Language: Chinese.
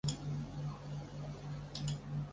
色木槭是无患子科槭属的植物。